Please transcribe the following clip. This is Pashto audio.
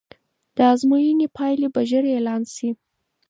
د ازموینې پایلې به ژر اعلان سي.